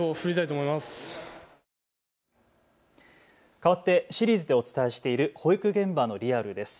かわってシリーズでお伝えしている保育現場のリアルです。